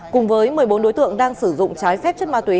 cùng với một mươi bốn đối tượng đang sử dụng trái phép chất ma túy